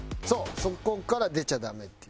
そこから出ちゃダメっていう。